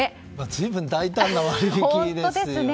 随分大胆な割引ですね。